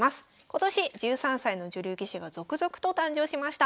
今年１３歳の女流棋士が続々と誕生しました。